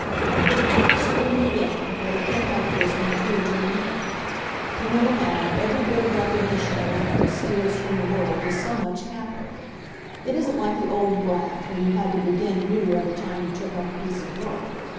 It flashed through me then what a thing like this might do to a name. You know, Mag, every bit of recognition an actress steals from the world is so much capital. It isn't like the old graft when you had to begin new every time you took up a piece of work.